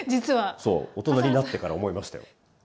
そう大人になってから思いましたよ。